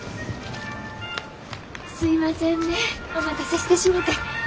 すいませんねえお待たせしてしもて。